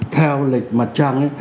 theo lịch mặt trăng